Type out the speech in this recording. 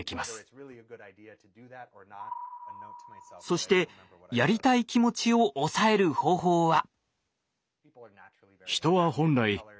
そしてやりたい気持ちを抑える方法は。